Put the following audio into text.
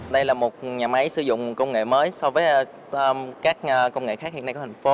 đây là một nhà máy sử dụng công nghệ mới so với các công nghệ khác hiện nay của thành phố